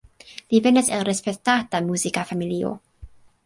Li venas el respektata muzika familio.